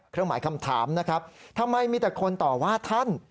เครื่องหมายคำถามนะครับทำไมมีแต่คนต่อว่าท่าน